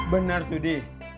bener tuh dih